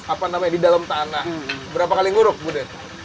apa namanya di dalam tanah berapa kali nguruk bu de